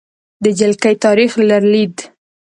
د جلکې تاریخې لرلید: